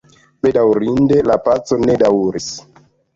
Bedaŭrinde la paco ne daŭris.